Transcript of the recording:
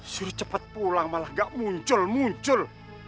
suruh cepat pulang malah gak muncul muncul